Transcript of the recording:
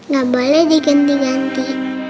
gak boleh diganti ganti